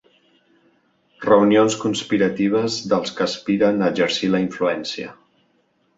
Reunions conspiratives dels que aspiren a exercir la influència.